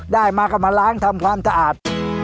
ได้มาก็มาล้างทำความสะอาด